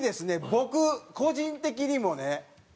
僕個人的にもね